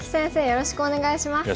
よろしくお願いします。